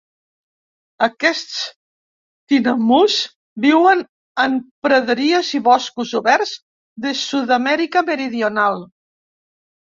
Aquests tinamús viuen en praderies i boscos oberts de Sud-amèrica meridional.